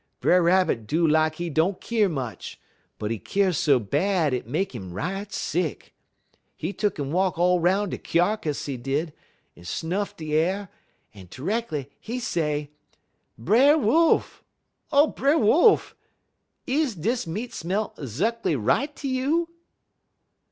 Brer Rabbit do like he don't keer much, but he keer so bad hit make 'im right sick. He tuck'n walk all 'roun' de kyarkiss, he did, un snuff de air, un terreckly he say: "'Brer Wolf! O Brer Wolf! is dis meat smell 'zuckly right ter you?'